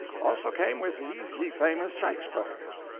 Also came with these ye famous Shaxpur.